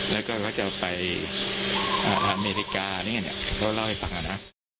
แล้วก็เขาจะไปอเมริกานี่เขาเล่าให้ฟังนะ